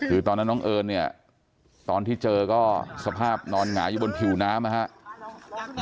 คือตอนนั้นน้องเอิญเนี่ยตอนที่เจอก็สภาพนอนหงายอยู่บนผิวน้ำนะครับ